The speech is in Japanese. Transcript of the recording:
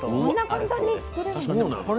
そんな簡単に作れるんだ。